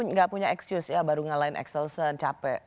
oni gak punya excuse ya baru ngalahin excelsen capek